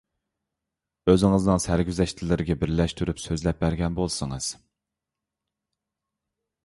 ئۆزىڭىزنىڭ سەرگۈزەشتلىرىگە بىرلەشتۈرۈپ سۆزلەپ بەرگەن بولسىڭىز.